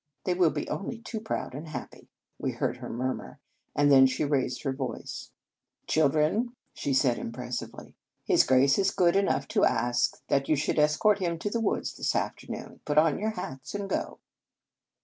" They will be only too proud and happy," we heard her murmur; and then she raised her voice. " Children," she said impressively, 117 In Our Convent Days " his Grace is good enough to ask that you should escort him to the woods this afternoon. Put on your hats and go."